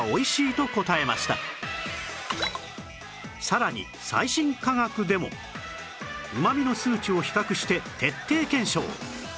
さらに最新科学でも旨味の数値を比較して徹底検証